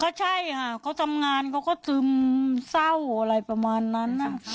ก็ใช่ก็ตอบงานเขาก็สืบเศร้าอะไรประมาณนั้นนะ